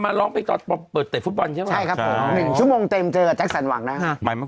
มาล้องไปตอบเปิดเตะฟุตบอลใช่ป่ะ